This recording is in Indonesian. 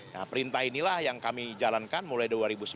nah perintah inilah yang kami jalankan mulai dua ribu sembilan belas